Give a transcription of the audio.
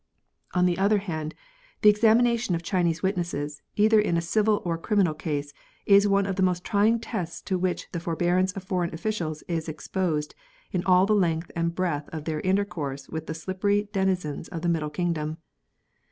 On the other hand, the examination of Chinese wit nesses, either in a civil or criminal case, is one of the most trying tests to which the forbearance of foreign officials is exposed in all the length and breadth of their intercourse with the slippery denizens of the middle kingdom.